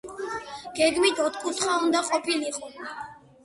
გეგმით ოთხკუთხა უნდა ყოფილიყო.